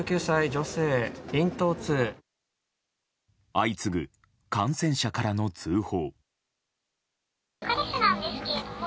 相次ぐ感染者からの通報。